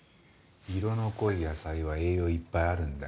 色の濃い野菜は栄養いっぱいあるんだよ。